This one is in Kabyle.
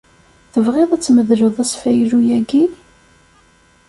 Tebɣiḍ ad tmedleḍ asfaylu-agi?